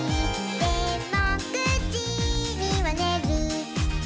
「でも９じにはねる」